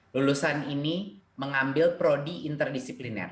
lulusan ini mengambil prodi interdisipliner